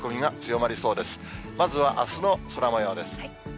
まずはあすの空もようです。